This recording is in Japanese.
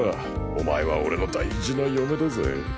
お前は俺の大事な嫁だぜ。